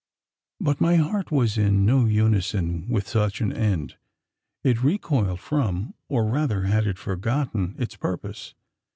But my heart was in no unison with such an end. It recoiled from, or rather had it forgotten, its purpose.